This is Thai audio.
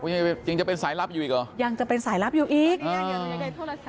ยังจริงจะเป็นสายลับอยู่อีกเหรอยังจะเป็นสายลับอยู่อีก